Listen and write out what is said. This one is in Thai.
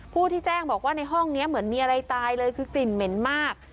ผู้ที่แจ้งบอกว่าในห้องนี้เหมือนมีอะไรตายเลยคือกลิ่นเหม็นมาก